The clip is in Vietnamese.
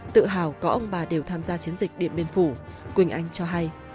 tự hào có ông bà đều tham gia chiến dịch điện biên phủ quỳnh anh cho hay